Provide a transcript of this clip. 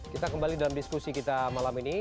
kita kembali dalam diskusi kita malam ini